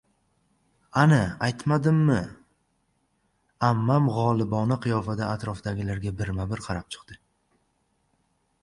— Ana, aytmadimmi! — ammam g‘olibona qiyofada atrofidagilarga birma-bir qarab chiqdi.